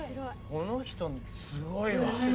この人すごいわ。